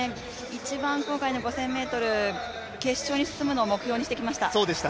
一番今回の５０００ｍ、決勝に進出するのを目標にしていました。